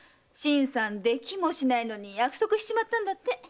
新さんできもしないのに約束しちまったんだって。